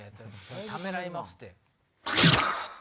ためらいますて。